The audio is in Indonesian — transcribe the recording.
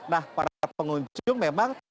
nah para pengunjung memang